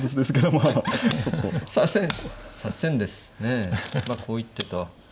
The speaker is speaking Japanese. まあこう行ってと。